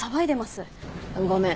ごめん。